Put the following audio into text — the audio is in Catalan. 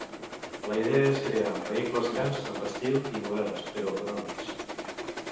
La idea és crear vehicles grans, amb estil i moderns, però econòmics.